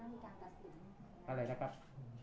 อะไรนะครับจะถึงชั้นสารจนมีการตัดสินจักรสารเลย